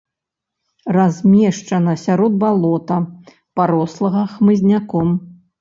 Размешчана сярод балота, парослага хмызняком.